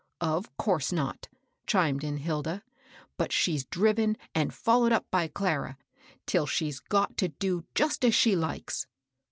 " Of course not," chimed in Hilda. " But she's driven and followed up by Clara, till she's got to do just as she likes.